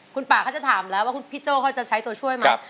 คุณป่าเขาจะถามแล้วว่าคุณพี่โจ้เขาจะใช้ตัวช่วยไหม